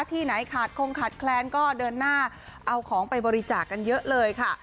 ที่ไหนขาดคงขาดแคลนก็เดินหน้าเอาของไปบริจาคกันเยอะเลยค่ะ